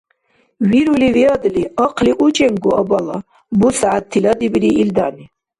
— Вирули виадли, ахъли учӀенгу, абала, — бусягӀят тиладибири илдани.